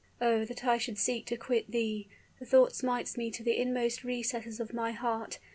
"Oh, that I should seek to quit thee! The thought smites me to the inmost recesses of my heart.